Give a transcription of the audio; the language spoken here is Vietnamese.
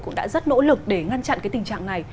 cũng đã rất nỗ lực để ngăn chặn cái tình trạng này